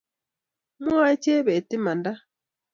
Mamwae Chebet imanda